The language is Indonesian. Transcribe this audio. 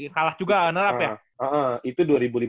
kalah juga nerap ya iya itu